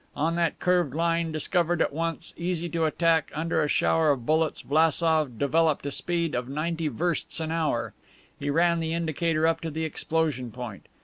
On that curved line, discovered at once, easy to attack, under a shower of bullets, Vlassof developed a speed of ninety versts an hour. He ran the indicator up to the explosion point.